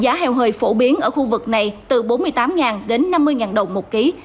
giá heo hơi phổ biến ở khu vực này từ bốn mươi tám đến năm mươi đồng một ký